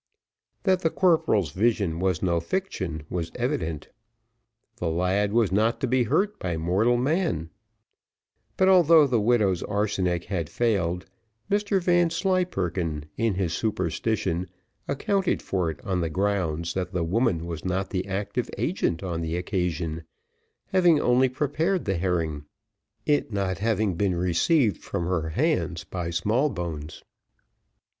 That the corporal's vision was no fiction, was evident the lad was not to be hurt by mortal man; but although the widow's arsenic had failed, Mr Vanslyperken, in his superstition, accounted for it on the grounds that the woman was not the active agent on the occasion, having only prepared the herring, it not having been received from her hands by Smallbones.